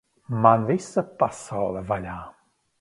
Man visa pasaule vaļā!